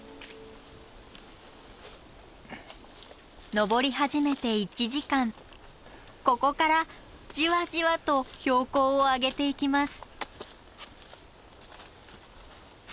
登り始めて１時間ここからじわじわと標高を上げていきます。